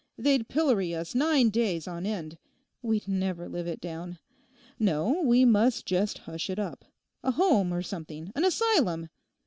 They'd pillory us nine days on end. We'd never live it down. No, we must just hush it up—a home or something; an asylum.